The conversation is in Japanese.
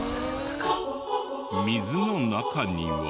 水の中には。